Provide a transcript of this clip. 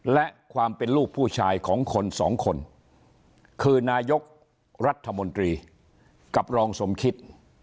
และความเป็นลูกผู้ชายของคนสองคนคือนายกรัฐมนตรีกับรองสมคิด